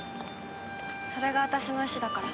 それが私の意思だから。